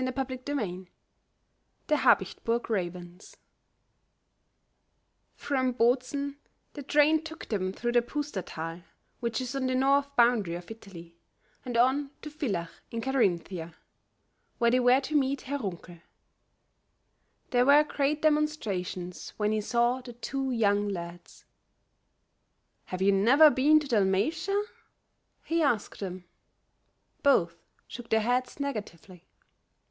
CHAPTER IX THE HABICHT BURG RAVENS FROM Botzen, the train took them through the Puster thal, which is on the north boundary of Italy, and on to Villach in Carinthia, where they were to meet Herr Runkel. There were great demonstrations when he saw the two young lads. "Have you never been to Dalmatia?" he asked them. Both shook their heads negatively.